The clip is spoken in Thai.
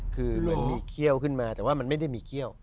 คือเหมือนมีเขี้ยวขึ้นมาแต่ว่ามันไม่ได้มีเขี้ยว